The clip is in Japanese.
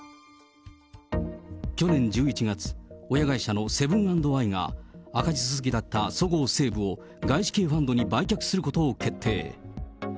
去年１１月、親会社のセブン＆アイが赤字続きだったそごう・西武を、外資系ファンドに売却することを決定。